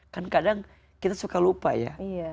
kan kadang kita suka lupa ya